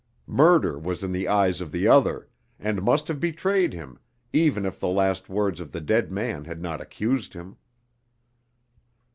Murder was in the eyes of the other, and must have betrayed him, even if the last words of the dead man had not accused him.